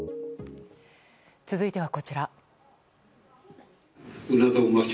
続いては、こちら。